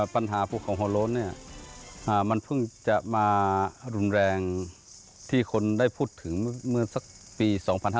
ปัญหาภูเขาหัวโล้นมันเพิ่งจะมารุนแรงที่คนได้พูดถึงเมื่อสักปี๒๕๕๙